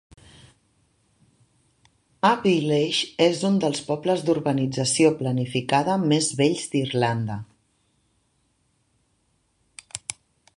Abbeyleix és un dels pobles d'urbanització planificada més vells d'Irlanda.